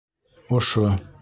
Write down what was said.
Ошо.